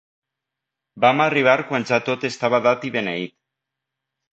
Vam arribar quan ja tot estava dat i beneït.